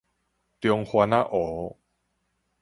中番仔湖